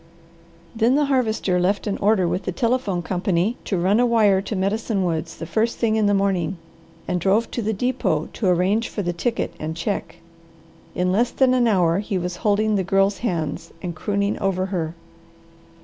Then the Harvester left an order with the telephone company to run a wire to Medicine Woods the first thing in the morning, and drove to the depot to arrange for the ticket and check. In less than an hour he was holding the Girl's hands and crooning over her.